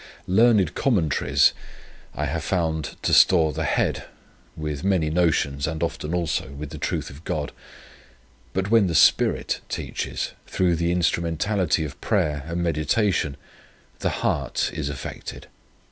"Learned commentaries I have found to store the head, with many notions and often also with the truth of God; but when the Spirit teaches, through the instrumentality of prayer and meditation, the heart is affected.